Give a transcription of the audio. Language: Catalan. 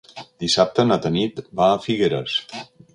Dissabte na Tanit va a Figueres.